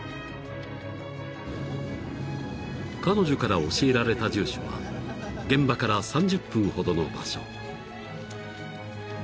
［彼女から教えられた住所は現場から３０分ほどの場所］